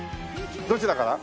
どちらから？